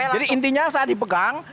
jadi intinya saat dipegang